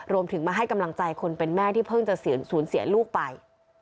รวมถึงมาให้กำลังใจคนเป็นแม่ที่เพิ่งจะสูญเสียลูกไป